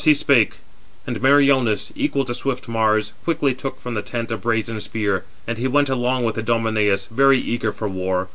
Thus be spake, and Meriones, equal to swift Mars, quickly took from the tent a brazen spear; and he went along with Idomeneus, very eager for war.